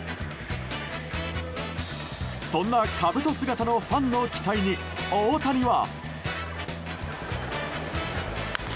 そんな、かぶと姿のファンの期待に大谷は。